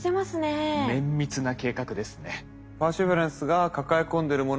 綿密な計画ですね。